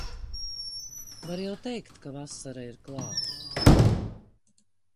Var jau teikt, ka vasara ir klāt.